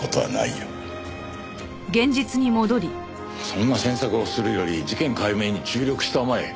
そんな詮索をするより事件解明に注力したまえよ。